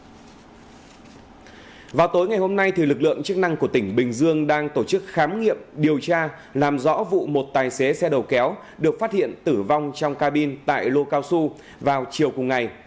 trước đó vào tối ngày hôm nay thì lực lượng chức năng của tỉnh bình dương đang tổ chức khám nghiệm điều tra làm rõ vụ một tài xế xe đầu kéo được phát hiện tử vong trong cabin tại lô cao xu vào chiều cùng ngày